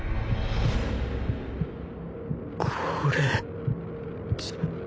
これじょ